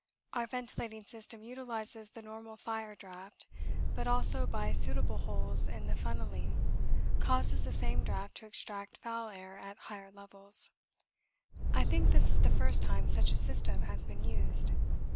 Our ventilating system utilises the normal fire draught, but also by suitable holes in the funnelling causes the same draught to extract foul air at higher levels. I think this is the first time such a system has been used.